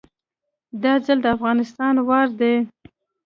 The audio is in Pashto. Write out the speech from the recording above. دا ځل د افغانستان وار دی